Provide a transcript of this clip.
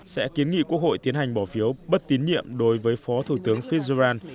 sẽ kiến nghị quốc hội tiến hành bỏ phiếu bất tín nhiệm đối với phó thủ tướng fir